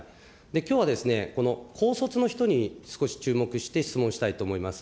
きょうはこの高卒の人に少し注目して質問したいと思います。